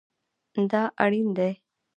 دا اړین دی